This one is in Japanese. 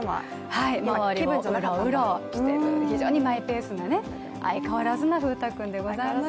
周りをうろうろして非常にマイペースな相変わらずな風太くんでございますよ。